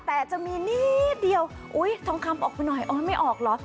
แต่จะมีนิดเดียวอุ๊ยทองคำออกไปหน่อยโอ๊ยไม่ออกเหรอ